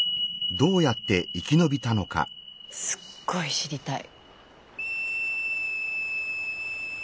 すっごい知りたい。